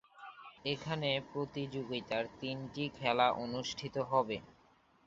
এখানে প্রতিযোগিতার তিনটি খেলা অনুষ্ঠিত হবে।